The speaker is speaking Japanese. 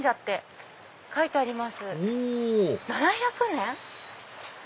７００年？